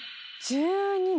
１２年。